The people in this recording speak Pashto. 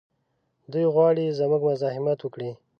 دوی غواړي زموږ مزاحمت وکړي.